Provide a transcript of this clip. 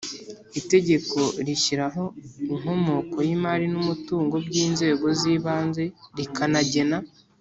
Itegeko rishyiraho inkomoko y imari n umutungo by inzego z ibanze rikanagena